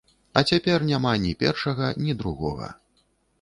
А цяпер няма ні першага, ні другога.